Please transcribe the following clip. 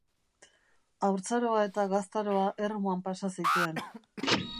Haurtzaroa eta gaztaroa Ermuan pasa zituen.